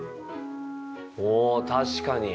おぉ確かに。